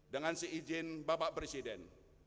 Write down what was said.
dengan si ijin bapak presiden